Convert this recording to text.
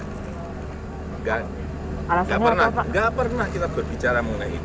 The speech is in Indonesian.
tidak pernah kita berbicara mengenai itu